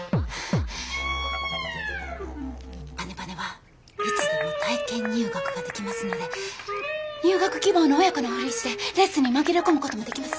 パネパネはいつでも体験入学ができますので入学希望の親子のふりしてレッスンに紛れ込むこともできます。